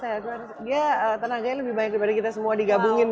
oh iya mbak tenaganya lebih banyak daripada kita semua digabungin